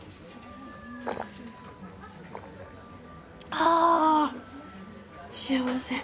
あぁ幸せ。